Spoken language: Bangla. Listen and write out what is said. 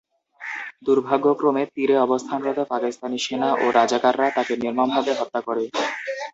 দুর্ভাগ্যক্রমে তীরে অবস্থানরত পাকিস্তানি সেনা ও রাজাকাররা তাঁকে নির্মমভাবে হত্যা করে।